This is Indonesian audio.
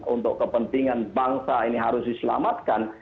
untuk kepentingan bangsa ini harus diselamatkan